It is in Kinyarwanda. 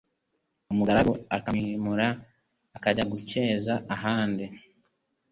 umugaragu akamwimura akajya gukeza ahandi.